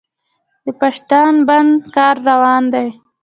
د پاشدان بند کار روان دی؟